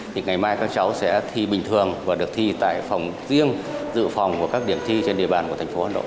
thì ngày mai các cháu sẽ thi bình thường và được thi tại phòng riêng dự phòng và các điểm thi trên địa bàn của thành phố hà nội